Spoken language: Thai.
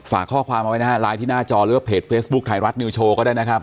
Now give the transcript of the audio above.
ฝากข้อความเอาไว้นะฮะไลน์ที่หน้าจอหรือว่าเพจเฟซบุ๊คไทยรัฐนิวโชว์ก็ได้นะครับ